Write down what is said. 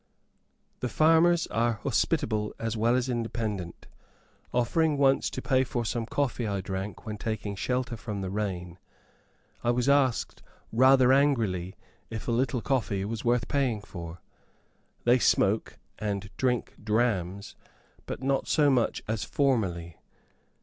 The farmers are hospitable as well as independent. Offering once to pay for some coffee I drank when taking shelter from the rain, I was asked, rather angrily, if a little coffee was worth paying for. They smoke, and drink drams, but not so much as formerly.